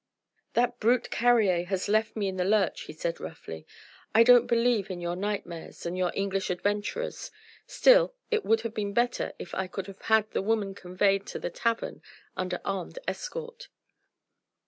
"That brute Carrier has left me in the lurch," he said roughly. "I don't believe in your nightmares and your English adventurers, still it would have been better if I could have had the woman conveyed to the tavern under armed escort."